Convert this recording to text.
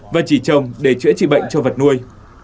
và chỉ trồng để chữa trị bệnh cho vật nuôi